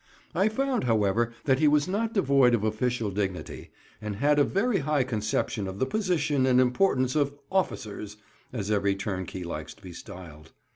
I found, however, that he was not devoid of official dignity, and had a very high conception of the position and importance of "officers," as every turnkey likes to be styled.